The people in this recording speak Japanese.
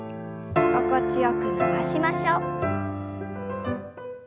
心地よく伸ばしましょう。